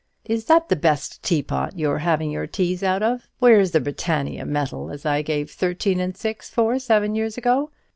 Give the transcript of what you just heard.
"Is that the best teapot you're a having your teas out of? Where's the Britannia metal as I gave thirteen and six for seven year ago?